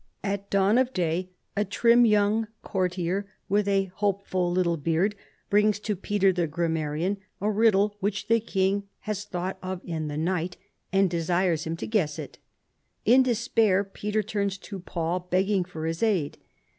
At dawn of day a trim young courtier with a hopeful little beard brings to Peter the grammarian a riddle which the king has thought of in the night and desires him to guess it. In despair Peter turns to Paul, begging for his aid.